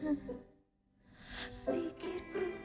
kamu mau lihat